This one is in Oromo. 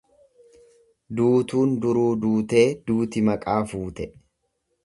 Duutuun duruu duutee duuti maqaa fuute.